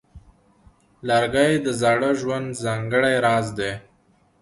لرګی د زاړه ژوند ځانګړی راز دی.